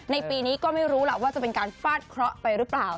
ปีนี้ก็ไม่รู้ล่ะว่าจะเป็นการฟาดเคราะห์ไปหรือเปล่า